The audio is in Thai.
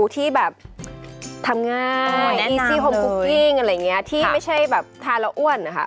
แต่ที่ไม่ใช่แบบทานแล้วอ้วนนะคะ